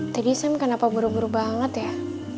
tadi sam kenapa buru buru banget ya